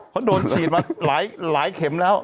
เขาโดนฉีดมาหลายเข็มแล้ว